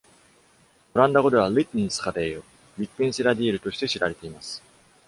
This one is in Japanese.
オランダ語では「Littenseradeel（ リッテンセラディール）」として知られています。